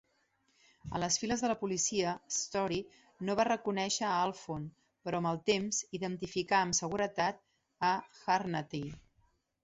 En les files de la policia, Storie no va reconèixer a Alphon, però amb el temps identificar amb seguretat a Hanratty.